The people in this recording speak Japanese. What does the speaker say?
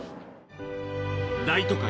大都会